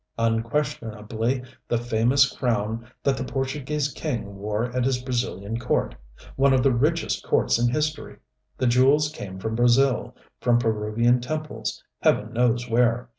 "Unquestionably the famous crown that the Portuguese king wore at his Brazilian court one of the richest courts in history. The jewels came from Brazil, from Peruvian temples Heaven knows where.